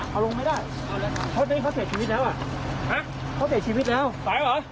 เขาเสียชีวิตแล้วตายแล้วเหรอ